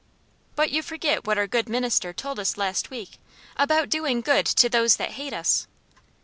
"But you forget what our good minister told us last week, about doing good to those that hate us."